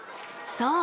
そう！